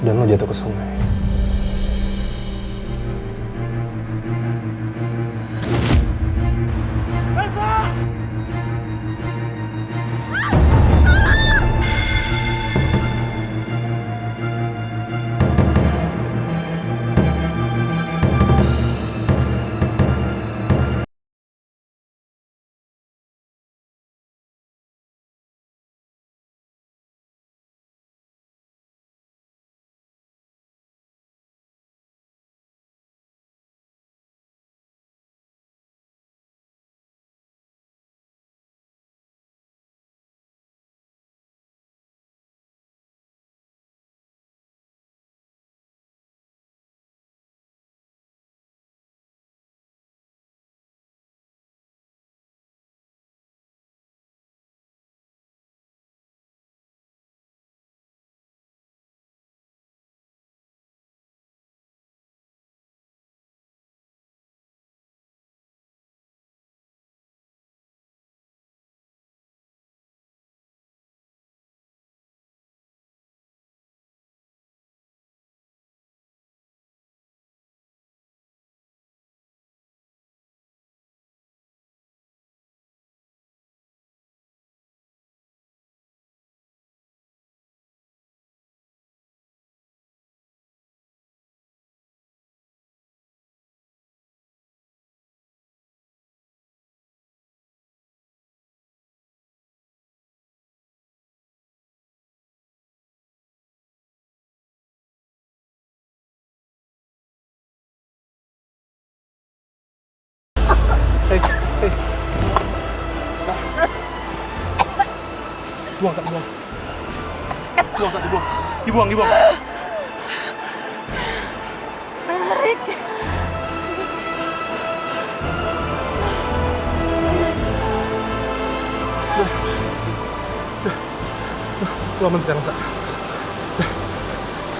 dan lo jatuh ke sungai